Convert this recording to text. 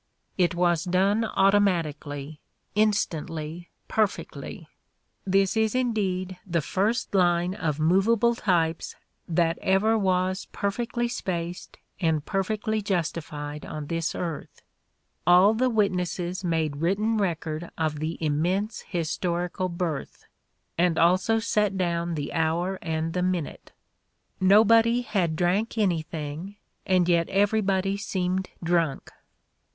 It was done automatically — instantly — perfectly. This is indeed the Everybody's Neighbor 147 first line of movable types that ever was perfectly spaced and perfectly justified on this earth. All the witnesses made written record of the immense historical birth ... and also set down the hour and the minute. Nobody had drank anything, and yet everybody seemed drunk.